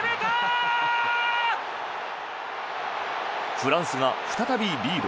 フランスが再びリード。